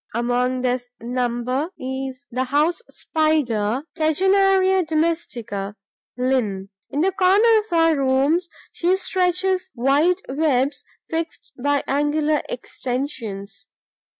Among this number is the House Spider (Tegenaria domestica, LIN.). In the corners of our rooms, she stretches wide webs fixed by angular extensions.